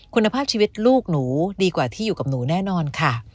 คุณภาพชีวิตลูกหนูดีกว่าที่อยู่กับหนูแน่นอนค่ะ